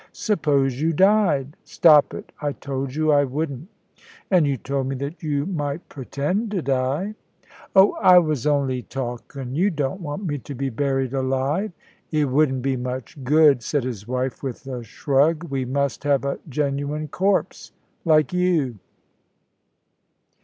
Suppose you died " "Stop it. I told you I wouldn't." "And you told me that you might pretend to die." "Oh, I was only talkin'. You don't want me to be buried alive!" "It wouldn't be much good," said his wife, with a shrug. "We must have a genuine corpse like you."